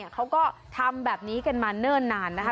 เขาก็ทำแบบนี้กันมาเนิ่นนานนะคะ